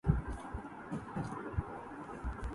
واں کرم کو عذرِ بارش تھا عناں گیرِ خرام